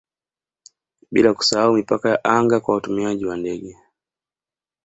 bila kusahau mipaka ya anga kwa watumiaji wa ndege